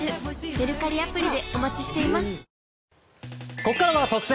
ここからは特選！